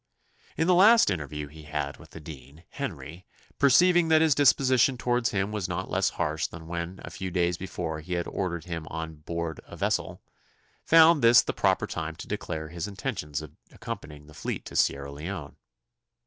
In the last interview he had with the dean, Henry, perceiving that his disposition towards him was not less harsh than when a few days before he had ordered him on board a vessel, found this the proper time to declare his intentions of accompanying the fleet to Sierra Leone.